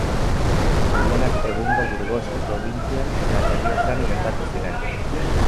Gudu gehienak egungo Burgosko probintzian eta Errioxan gertatu ziren.